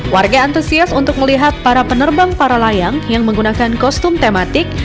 warga antusias untuk melihat para penerbang para layang yang menggunakan kostum tematik